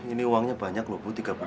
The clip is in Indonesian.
ini uangnya banyak bu